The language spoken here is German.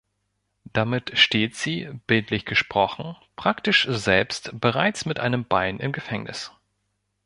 Damit steht sie, bildlich gesprochen, praktisch selbst bereits mit einem Bein im Gefängnis.